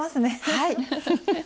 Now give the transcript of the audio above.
はい。